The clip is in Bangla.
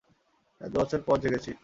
এতো বছর পর জেগেছি।